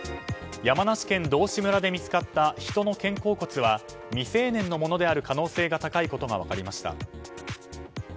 山梨県道志村で見つかった人の肩甲骨は未成年のものである可能性が高いことが分かりました。